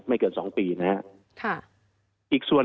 ไม่เกินสองปี